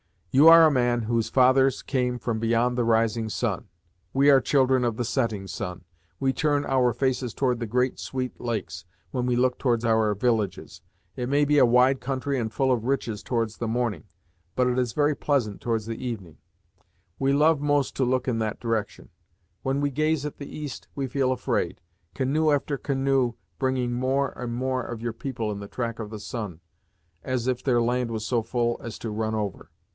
You are a man whose fathers came from beyond the rising sun; we are children of the setting sun; we turn our faces towards the Great Sweet Lakes, when we look towards our villages. It may be a wide country and full of riches towards the morning, but it is very pleasant towards the evening. We love most to look in that direction. When we gaze at the east, we feel afraid, canoe after canoe bringing more and more of your people in the track of the sun, as if their land was so full as to run over.